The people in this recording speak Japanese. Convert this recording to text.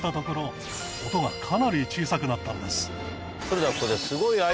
それではここで。